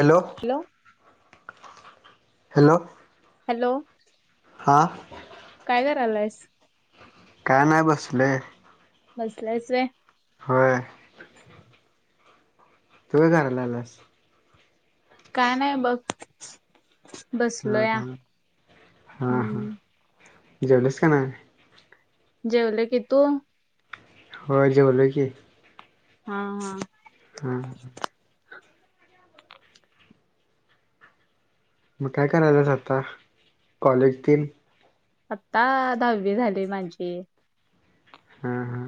Hello hello hello हा चालायस. काय नाय बसलोय. बसलाईस व्हय. होय. तु काय करालाआलास काय नाय बघ हा बसलोया हा हा हा हम्म जेवलीस का नाय? जेवले की तू हो जेवलोय की, हा हा हा मग काय करायलिस आत्ता कॉलेज ती आत्ता दहावी झाली माझी हम् हा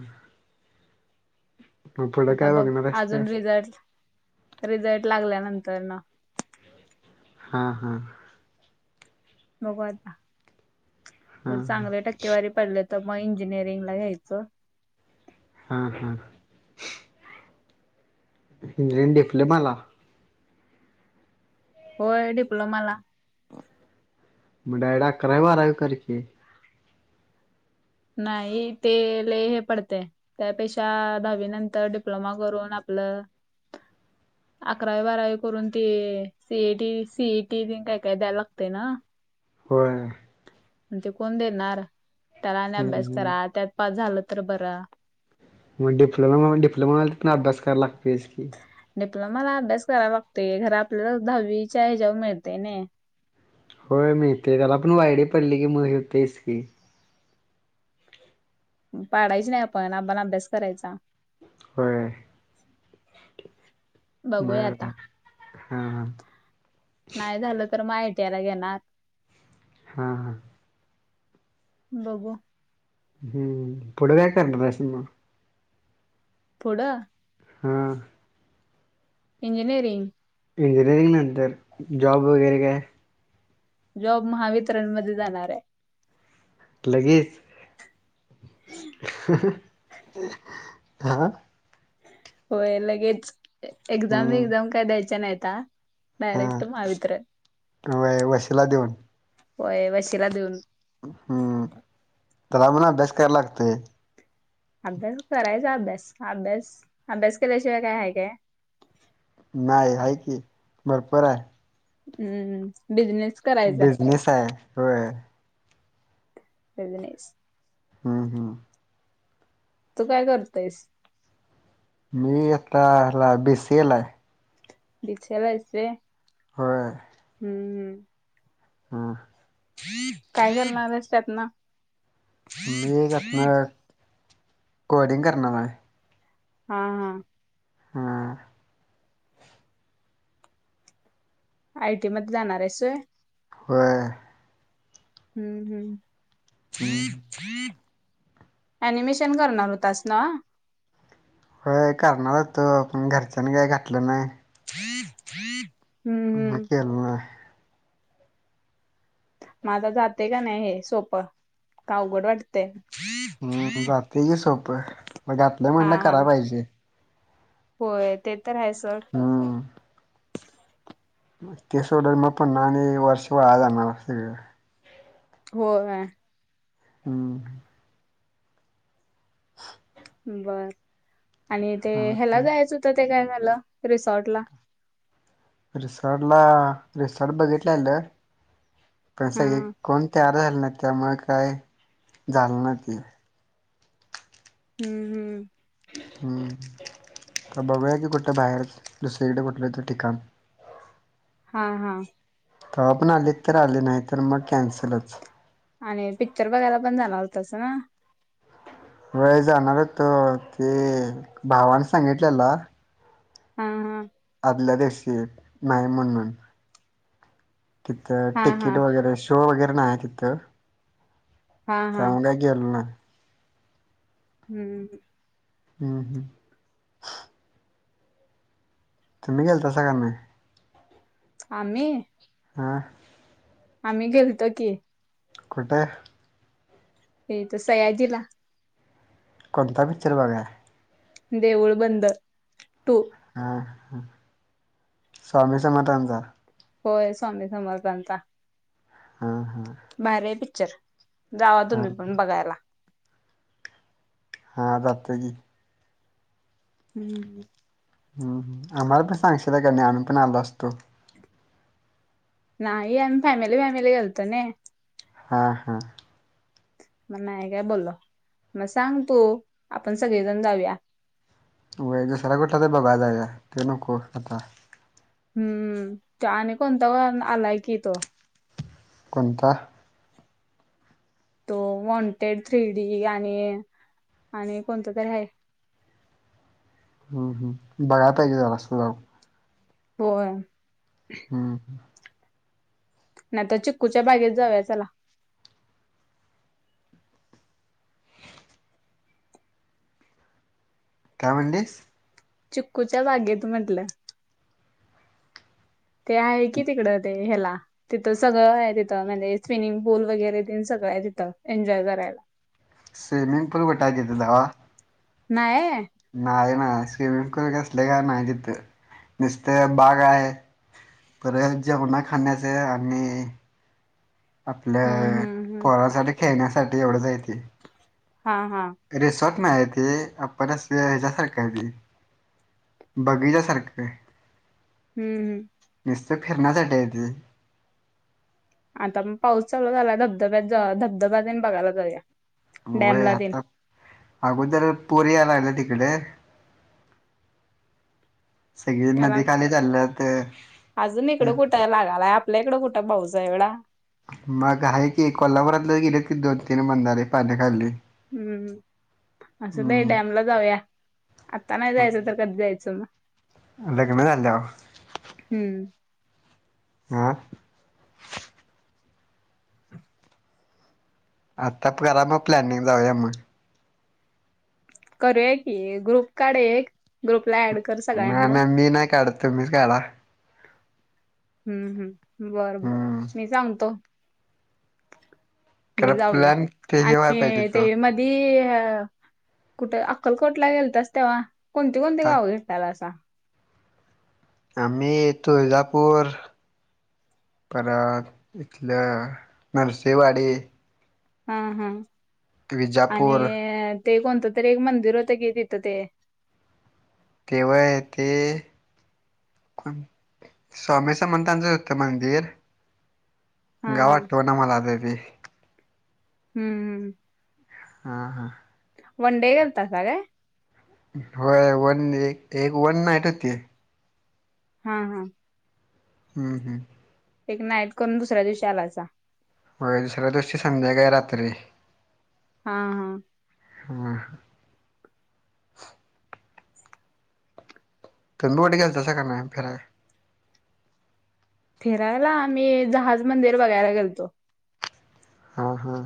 मग पुढं आता काय बघ बघणार आहेस काय अजून रिझल्ट रिझल्ट लागल्यानंतर ना हा हा बघु हा आता चांगल्या टक्केवारी पडले तर मग इंजिनिअरिंग ला घ्यायचं हा हा इंजिनिअरिंग डिप्लोमाला होय डिप्लोमाला मग डायरेक्ट अकरावी बारावी करकी नाही ते लई हे पडते त्यापेक्षा दहावी नंतर डिप्लोमा करून आपल अकरावी बारावी करून ते सीएटी सीएटी काय काय द्याव लागते ना होय ते कोण देणार त्याला आणि हम्म अभ्यास हम्म करा त्यात पास झालं तर बरा मग डीप्लोमा डिप्लोमा तपण अभ्यास कराव लागत च की डिप्लोमा ला अभ्यास कराव लागतय घर आपल्याला दहावी च्या हचावर मिळते नाई होय मीह ते त्याला आपल्याला आईडी पडली की मग ते हेचकी पाडायची नाही आपण आपण अभ्यास करायचा होय बघूया बर आता बर हा हा नाही झालं तर आय टी आय याला घेणार हा हा बघू हम्म पुुड ब कां दशना [unintelligible] पुड. हा. इंजनिरींग. इंजिनिअरिंग नंतर जॉब वगैरे काय. जॉब महावितरणमध्येध्ये जाणार आहे. लगेच. हा. होय लगेच एक्झाम हम्म वक्झाम काय द्यायच्या नाहीता. डारक्ट महावितरण. खिला देऊन. होय वशीला देऊन. हम्म तरमणा अभ्यास काराव लागतोय. अभ्यास करायचा अभ्यास अभ्यास अभ्यास केल्याशिवाय काय आहे काय. नाही आहे की भरपर आहे. हम्म बिझनेस. करायचा बिजनेस आहे हो. बिजनेश. हम्म हम्म. तू काय करतोयस. मी एताला बेसिलाय आहे. दीक्षेला अससे. हो. ह [unintelligible] हा. काय करलणारच त्यात न. मी असतन कोडिंग करनार आय. हा हा. हम्म. आयटी मध्ये जाणारेस होय. व्हय. हम्म हम्म. अनिमेशन करणार होतास ना. हो करणार होतो पण घरच्यांनी काय घतलं नाय. हम्म म हम्म केल नाय. माझा जाते का नाही हे सोप का अवघड वाटतेय. हम्म जाते की सोपं म घातलं हा म्हणलं हा कराय पाहिजे. होय ते तर आहे सर. हम्म ते सोडल मग पण आणि आणि वर्ष वाया जाणार असेल. होय. हम्म. बर आणि ते ह्याला हा जायचं होतं ते काय झालं रिसॉर्ट ला. रिसॉर्ट ला रिसॉर्ट बघितलंलं पण स हा कोणत्या. झालं ना त्यामुळे काय झाल ना ते. हम्म हम्म. हम्म. तर बघूया की कुठं बाहेर दुसरीकडे कुठलं तर ठिकाण. हा हा. तेव पण आले तर आले नाही तर मग कॅन्सलच. आणि पिक्चर बघायला पण जाणार होतस ना. व्हय जाणारच होतो ते भावाने सांगितलेल. हा हा. आदला दीशी नाही म्हण म्हून. तिथं हा हा हा टिकीट वगैरे शो वगैरे नाही आहे तिथं. हा हा त्यामुळे काय गेलं नाय. हम्म. हम्म हम्म. तर मी गेलतासा का नाय. आम्ही. हां. आम्ही गेलतो की. कुठ. हे त सयाजीला. कोणता पिक्चर बघाय. देऊळ बंद. टू हा ह स्वामी समर्थाचा. होय स्वामी समर्थाचा. हां हां बारीये पिक्चर जावा हां तुम्ही पण बघायला. हा जातते की. हम्म. हम्म आम्हाला पण सांगशील नाही आम्ही पण आलो असतो. नाही आम्ही फॅमिली फॅमिली घालतो ना. हा हा. मग नाही काय बोलल म सांग तू आपण सगळेजण जाऊया. व सारकोठा ते बघाय जा आहे तनक आता हम्म आणि कोणता व आलाय की तो कोणता तो वॉन्टेड थ्री डी आणि आणि कोणत तरी आहे [inaudible] हम्म हम् बघाता आहे क झालं असत जाऊ हो हम्म ह नाही तर चिक्कूच्या बागेत जाऊया चला कावडस चुकूच्या बागेत म्हटलं ते आहे की तिकड ते ह्याला तिथं सगळं आहे तिथं म्हणजे स्विमिंग पूल वगैरे सळ तिथं एन्जॉय करायला स्विमिंग पूल बटागेत दव नाहीय नाही ना स्विमिंग पूल कसले का नाही तिथं नुसत बाग आहे पर जमानणा खाणे अस आणि आपल्या हम्म हम्म हम्म पोरासाठी खेळण्यासाठी एवढंचय ते हा हा रिसॉर्ट आहे ते आप परस हच्या सार कायी बघीच्या सारखं काय हम्म हम् तर फिरना ड्याथ आता मग पाऊस चालू झाला धबधब्यात धबधब्या बघायला तरया होय आता अगोदर पोरी यालागलं तिकडे सगळी त्याला नदीखाली चालल्यात अजून इकडं कुठ लागाला आपल्या इकडं कुठं पाऊच आहे एवढा मग आहे की कोल्हापुरातलं गेले त दोन तीन बंधारे पाण्याखाली हम्म असं नाही हम्म डॅमला जाऊया आता नाही जायचं तर कधी जायचं मग [unintelligible] लग्न झाल्यावर हम्म आं आता करा मग प्लॅनिंग जाऊया मग करूय की ग्रुप काढ एक ग्रुप नाही नाही मी नाही काढत तुम्हीच काढा हम्म हम्म बर बर हम्म मी सांगतो मग खरं जाऊया प्लॅन ते हे व्हाय आणि पाहिजे ते तो मध ह कुठे अक्कलकोटला गेलतस तेव्हा कोणती कोणती हा गावं घेेतताला असं आम्ही तुळजापूर परत इथलं नर्सिवाडी हा हा विजापूर आणि ते कोणतं तरी एक मंदिर होतं की तिथं ते केव्हा येते कोण स्वामी समंतांचं होतं मंदिर हा हा गावात टोना मलाता ती हम्म हम्म हा हा वन डडे गता सग होय वन एक एक वन नाईट होती. हा हा हम्म हम्म एक नाईट करून दुसऱ्या दिवशी आलासा. होय. दुसऱ्या दिवशी संध्याकाळी रात्री हा हा ह तुम्ही कुठं गेलतासा काय नाही फिरायला? फिरायला आम्ही जहाज मंदिर बघायला गेलतो. हा हा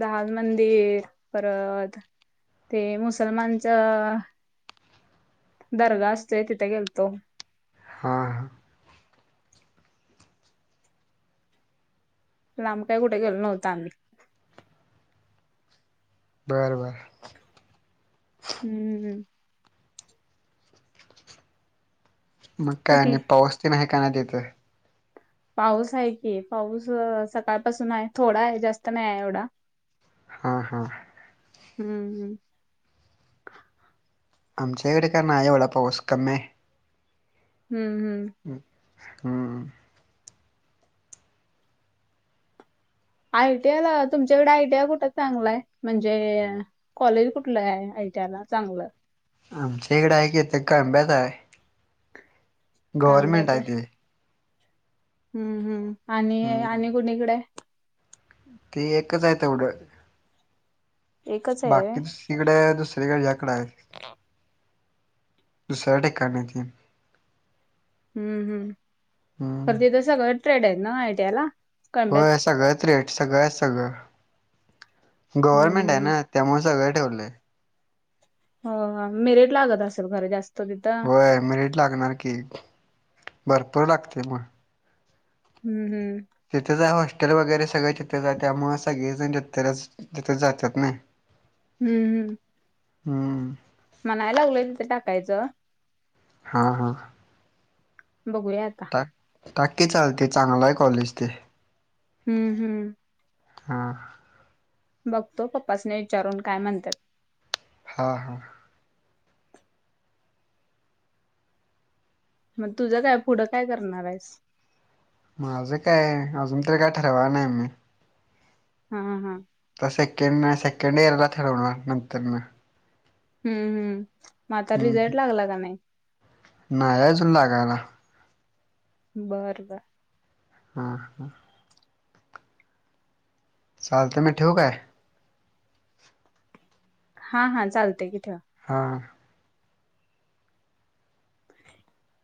जहाज मंदिर परत ते मुसलमानचं दर्गा असतोय तिथे गेलतो. हा हां लांब काय कुठे गेलो नव्हत आम्ही, बर बर हम्म मग काय कुठली आणि पाऊस तेन आहे का नाही तिथ पाऊस आहे की पाऊस सकाळपासून आहे थोडा आहे, जास्त नाही एवढा. हा हा हम्म हम्म आमचे इकडे काय नाही एवढा पाऊस कमी हाय. हम्म हम्म हम्म आयटीआय ला तुमच्याकडे आयटीआय कुठं चांगलंय? म्हणजे कॉलेज कुठलं आहे, आ यटीयाला चांगलं आमच्या इकडं आय की, ते कळंब्यात हाय. गवर्नमेंट कांब्यात हाय ते. हम्म, हम्म, आणि हम्म आणि कोणीकडे, ते एकच आहे तेवढं. एकच आहे होय? बाकी दुसरीकडं, दुसरीकडं हेच्या इकड हाय. दूसर्या ठिकाणी ती हम्म, हम्म तर तीथ सगळं ट्रेड आहेत ना, आयटीआय ला. होय सगळं ट्रेड सगळं आहेत सगळं.. गव्हर्नमेंट आहे हम्म ना, त्यामुळे सगळं ठेवलंय. हं हो, मिरेट लागत असेल खर जास्त तिथं होय, मिरिट लागणार की, भरपूर लागते मिरीट हम्म, हम्म तिथेच हाय होष्ट टेल वगैरे सगळे तिथेच आहे. त्यामुळं सगळे जण तिथे जातात नाही. हम्म, हम्म हम्म. म्हणाय लागलोय इथं टाकायचं. हा, हा. बघूया आता टाक की चालतय, चांगलं आय कॉलेज ते हम्म, हम्म. हा. बघतो. पप्पासनी विचारून काय म्हणतात. हा, हा. मग तुझं काय? पुढं काय करणार आहेस? माझं काय? अजून तरी काय ठरवाय नाई मी. हा हा. तर सेकंड, सेकंड इयरला ठरवणार,, नंतर नऽऽ हम्म, हम्म, म आता रिझल्ट लागला का नाही. नाय अजून लागाय. ला बर् बर हम्म, हम्. चालतय, मी ठीव काय? हा, हा चालतेय कि ठेवा. हां. [inaudible]